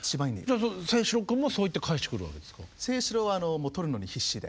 じゃあ清史郎君もそう言って返してくるわけですか？